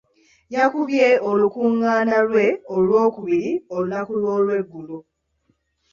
Yakubye olukung'aana lwe olw'okubiri olunaku lw'eggulo.